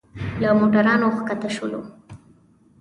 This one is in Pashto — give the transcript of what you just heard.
له موټرانو ښکته شولو.